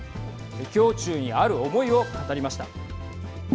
胸中にある思いを語りました。